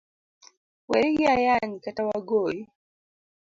weri gi ayany, kata wagoyi.